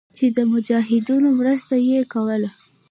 چې د مجاهدينو مرسته ئې کوله.